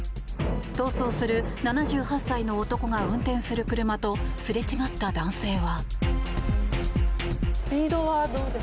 逃走する７８歳の男が運転する車とすれ違った男性は。